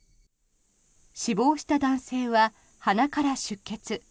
死亡した男性は鼻から出血。